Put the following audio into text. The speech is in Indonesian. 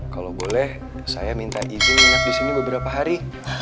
kalau boleh saya minta izin minyak di sini beberapa hari